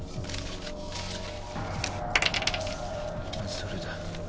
それだ。